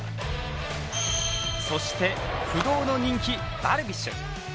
そして不動の人気ダルビッシュ。